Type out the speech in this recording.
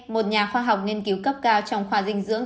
một nhà khoa học nghiên cứu cấp cao trong khoa dinh dưỡng